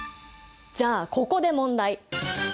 じゃあここで問題。